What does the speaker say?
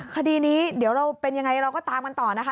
คดีนี้เดี๋ยวเราเป็นยังไงเราก็ตามกันต่อนะคะ